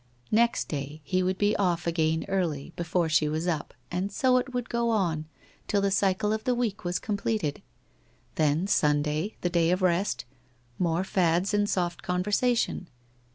... Next day he would be off again early, before she was up, and so it would go on, till the cycle of the week was com pleted. Then Sunday, the day of rest, more fads and soft conversation